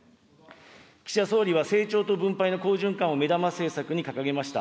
岸田総理は成長と分配の好循環を目玉政策に掲げました。